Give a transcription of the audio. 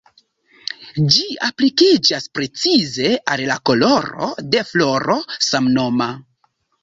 Ĝi aplikiĝas precize al la koloro de floro samnoma.